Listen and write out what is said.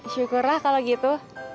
syukurlah kalau gitu